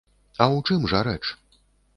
А ў чым жа рэч?